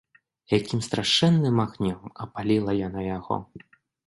Якім страшэнным агнём апаліла яна яго!